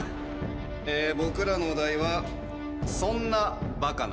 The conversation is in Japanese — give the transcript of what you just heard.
僕らのお題はそんなバカな！